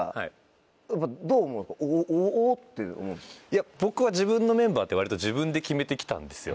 いや僕は自分のメンバーって割と自分で決めて来たんですよ